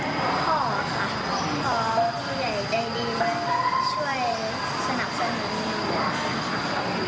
คุณพ่อค่ะคุณพ่อผู้ใหญ่ใจดีมาช่วยสนับสนุนน้องหน่อยค่ะ